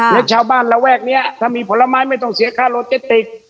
แล้วชาวบ้านระแวกนี้ถ้ามีผลไม้ไม่ต้องเสียค่าโลเจติก